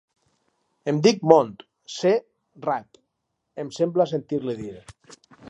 Em dic Mont, se, rat —em sembla sentir-li dir.